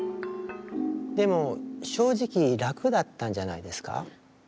でも正直楽だったんじゃないですか？